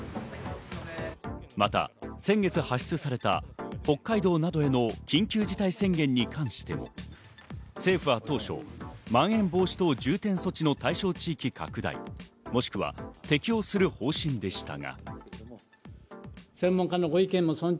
また先月、発出された北海道などへの緊急事態宣言に関しても、政府は当初、まん延防止等重点措置の対象地域拡大、もしくは適用する方針でしたが。